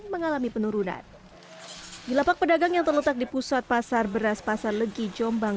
mengalami penurunan di lapak pedagang yang terletak di pusat pasar beras pasar legi jombang